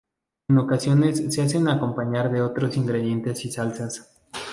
En ocasiones se hacen acompañar de otros ingredientes y salsas.